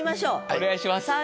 お願いします。